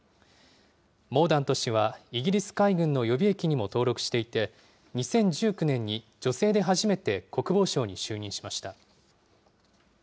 モーダント氏はイギリス海軍の予備役にも登録していて、２０１９年に女性で初めて国防相に就任しました。